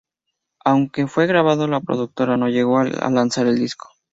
Aunque fue grabado, la productora no llegó a lanzar el disco.